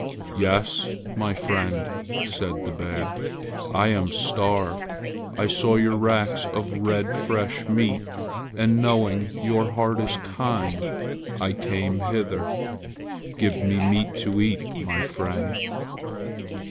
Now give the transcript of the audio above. "Yes, my friend," said the bear. "I am starved. I saw your racks of red fresh meat, and knowing your heart is kind, I came hither. Give me meat to eat, my friend."